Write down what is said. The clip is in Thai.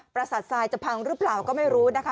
ประสาททรายจะพังหรือเปล่าก็ไม่รู้นะคะ